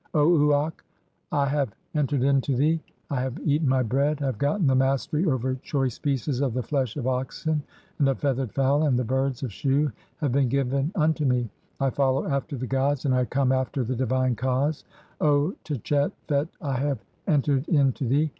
O Uakh, I have entered into thee, I have "eaten my bread, I have gotten the mastery over choice pieces "of the flesh of oxen and of feathered fowl, and the birds "of Shu have been given unto (35) me ; I follow after the "gods and [I come after] the divine kas. O Tchefet, 3 I have "entered in to thee.